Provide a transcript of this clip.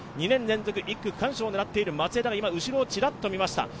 ２年連続１区区間賞を狙っている松枝が今、後ろをちらっと見ました。